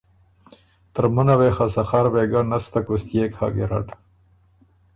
ترمُنه وې خه سخر وېګه نستک وُستيې هۀ ګیرډ،